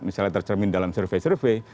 misalnya tercermin dalam survei survei